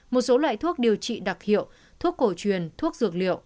một số loại thuốc điều trị đặc hiệu thuốc cổ truyền thuốc dược liệu